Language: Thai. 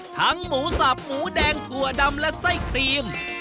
หมูสับหมูแดงถั่วดำและไส้ครีม